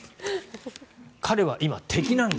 彼は今、敵なんだ。